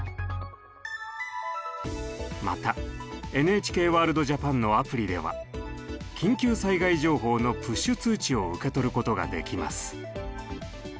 また「ＮＨＫワールドＪＡＰＡＮ」のアプリでは緊急災害情報のプッシュ通知を受け取ることができます。